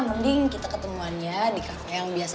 mending kita ketemuannya di kafe yang biasa